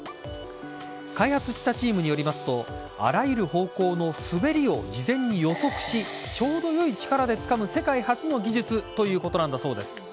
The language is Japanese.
開発したチームによりますとあらゆる方向の滑りを事前に予測しちょうど良い力でつかむ世界初の技術ということなんだそうです。